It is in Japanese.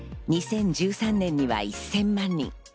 ２０１３年には１０００万人。